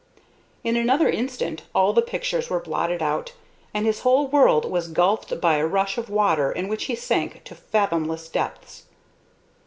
In another instant all the pictures were blotted out, and his whole world was gulfed by a rush of water in which he sank to fathomless depths.